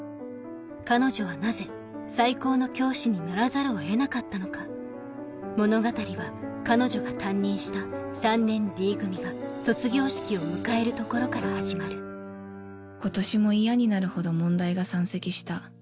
彼女はなぜ「最高の教師」にならざるを得なかったのか物語は彼女が担任した３年Ｄ組が卒業式を迎えるところから始まる今年も嫌になるほど問題が山積した。